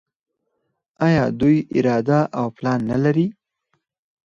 آیا دوی اراده او پلان نلري؟